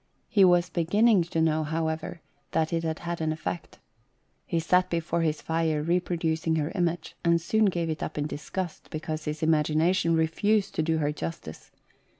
He was beginning to know, however, that it had had an effect. He sat before his fire reproducing her image, and soon gave it up in disgust because his imagination refused to do her justice.